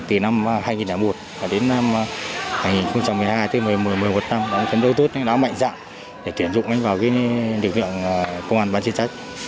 từ năm hai nghìn một đến năm hai nghìn một mươi hai tới hai nghìn một mươi một năm đã phấn đấu tốt đã mạnh dạng để tuyển dụng anh vào cái địa phương công an bán chế chất